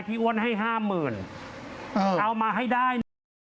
พี่อ้วนให้๕๐๐๐๐บาทเอามาให้ได้